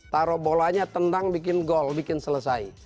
taruh bolanya tendang bikin gol bikin selesai